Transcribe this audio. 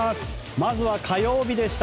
まずは火曜日でした。